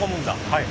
はい。